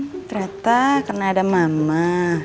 hmm ternyata kena ada mama